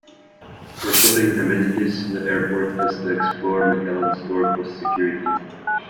For shopping amenities, the airport has the Explore McAllen store post-security.